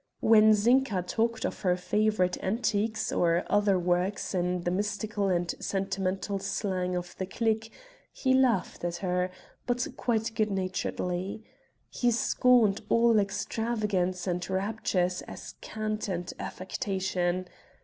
When Zinka talked of her favorite antiques or other works in the mystical and sentimental slang of the clique, he laughed at her, but quite good naturedly. He scorned all extravagance and raptures as cant and affectation.